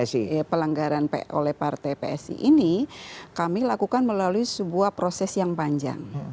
nah pelanggaran oleh partai psi ini kami lakukan melalui sebuah proses yang panjang